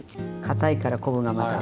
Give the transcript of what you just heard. かたいから昆布がまだ。